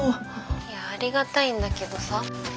いやありがたいんだけどさ